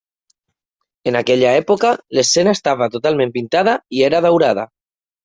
En aquella època l'escena estava totalment pintada i era daurada.